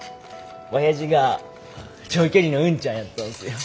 親父が長距離の運ちゃんやったんすよ。